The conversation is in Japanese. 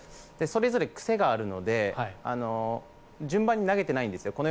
それぞれ癖があるので順番に投げてないんですよ。